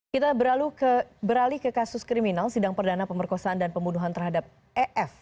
kita beralih ke kasus kriminal sidang perdana pemerkosaan dan pembunuhan terhadap ef